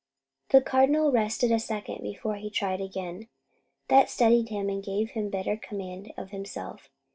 The Cardinal rested a second before he tried again. That steadied him and gave him better command of himself.